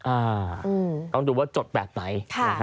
อ่าต้องดูว่าจดแบบไหน